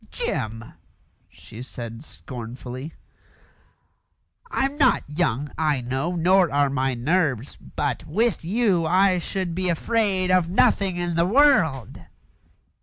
"Jim," she said scornfully, "I'm not young, I know, nor are my nerves; but with you I should be afraid of nothing in the world!"